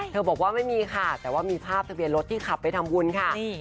บอกว่าไม่มีค่ะแต่ว่ามีภาพทะเบียนรถที่ขับไปทำบุญค่ะ